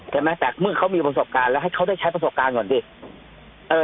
แต่แหม่งเค้ามีประสบการณ์แล้วให้เค้าได้ใช้ประสบการณ์ก่อนสิ